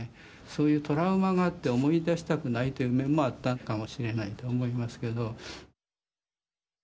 そういうトラウマがあって思い出したくないという面もあったかもしれないと思いますけど。